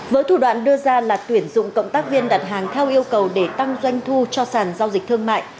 với thủ đoạn đưa ra là tuyển dụng cộng tác viên đặt hàng theo yêu cầu để tăng doanh thu cho sản giao dịch thương mại